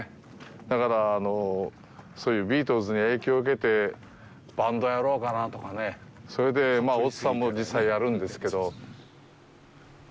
だから、そういうビートルズに影響受けて、バンドやろうかなとかね。それで大津さんも実際やるんですけど。